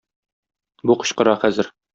Бу кычкыра хәзер